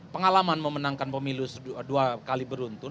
pengalaman memenangkan pemilu dua kali beruntun